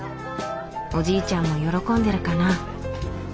おじいちゃんも喜んでるかな。